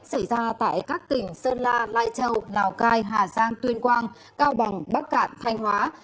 xảy ra tại các tỉnh sơn la lai châu lào cai hà giang tuyên quang cao bằng bắc cạn thanh hóa